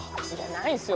ないっすよ。